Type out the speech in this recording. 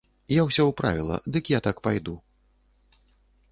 Я ўсё ўправіла, дык я так пайду.